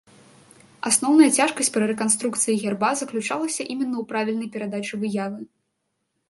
Асноўная цяжкасць пры рэканструкцыі герба заключалася іменна ў правільнай перадачы выявы.